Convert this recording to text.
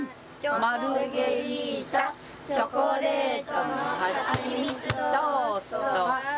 「マルゲリータ」「チョコレートのハチミツトーストば」